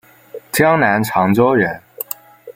江南长洲人。